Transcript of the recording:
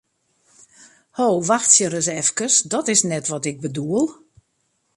Ho, wachtsje ris efkes, dat is net wat ik bedoel!